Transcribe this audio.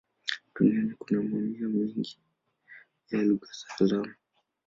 Duniani kuna mamia mengi ya lugha za alama.